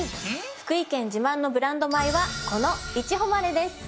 福井県自慢のブランド米はこのいちほまれです。